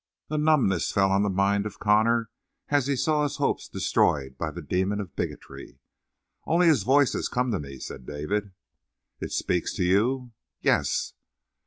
A numbness fell on the mind of Connor as he saw his hopes destroyed by the demon of bigotry. "Only His voice has come to me," said David. "It speaks to you?" "Yes."